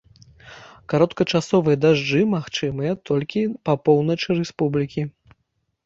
Кароткачасовыя дажджы магчымыя толькі па поўначы рэспублікі.